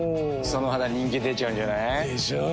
その肌人気出ちゃうんじゃない？でしょう。